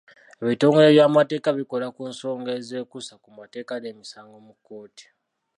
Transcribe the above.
Ebitongole by'amateeka bikola ku nsonga ezeekuusa ku mateeka n'emisango mu kkooti.